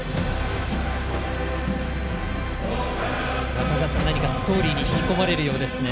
中澤さん、何かストーリーに引き込まれるようですね。